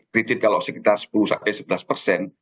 kredit kalau sekitar sepuluh sampai sebelas persen